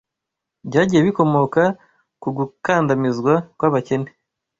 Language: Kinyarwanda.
byagiye bikomoka ku gukandamizwa kw’abakene